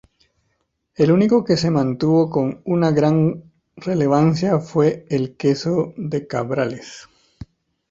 El único que se mantuvo con una gran relevancia fue el queso de Cabrales.